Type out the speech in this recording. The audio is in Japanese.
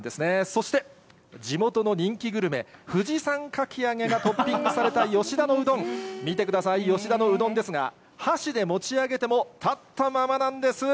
そして、地元の人気グルメ、富士山かきあげがトッピングされた吉田のうどん、見てください、吉田のうどんですが、箸で持ち上げても立ったままなんです。